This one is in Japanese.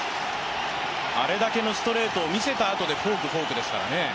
あれだけのストレートを見せたあとで、フォーク、フォークですからね。